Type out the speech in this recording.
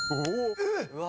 うわ！